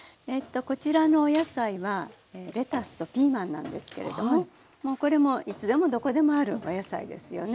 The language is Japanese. こちらのお野菜はレタスとピーマンなんですけれどももうこれもいつでもどこでもあるお野菜ですよね。